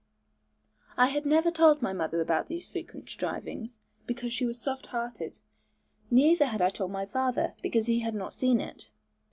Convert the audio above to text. I had never told my mother a word about these frequent strivings, because she was soft hearted; neither had I told by father, because he had not seen it.